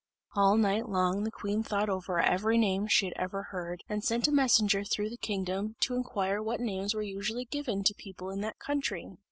All night long the queen thought over every name she had ever heard, and sent a messenger through the kingdom, to inquire what names were usually given to people in that country.